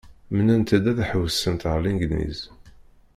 Mennant-d ad ḥewwsent ar Legniz.